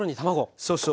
そうそう。